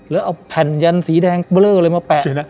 แล้วเอาแผ่นยันสีแดงเบลออะไรมาแปะ